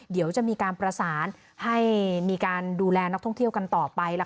เดี๋ยวจะมีการประสานให้มีการดูแลนักท่องเที่ยวกันต่อไป